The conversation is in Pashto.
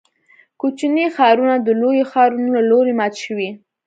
کوچني ښارونه د لویو ښارونو له لوري مات شوي.